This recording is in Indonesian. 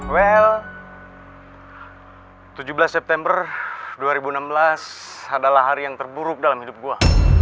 well tujuh belas september dua ribu enam belas adalah hari yang terburuk dalam hidup gua